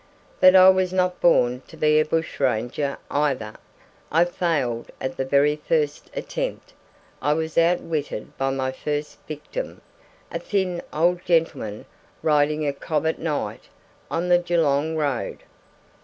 But I was not born to be a bushranger either. I failed at the very first attempt. I was outwitted by my first victim, a thin old gentleman riding a cob at night on the Geelong road.